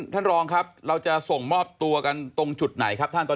ท่านรองครับเราจะส่งมอบตัวกันตรงจุดไหนครับท่านตอน